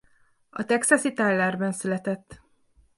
A texasi Tylerben született.